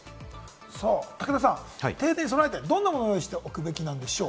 武田さん、停電に備えてどんなものを用意しておくべきなんでしょう？